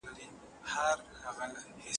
او پر مځکه دي وجود زیر و زبر سي